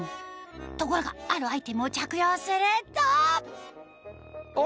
ところがあるアイテムを着用するとお！